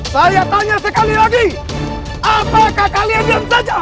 saya tanya sekali lagi apakah kalian yang saja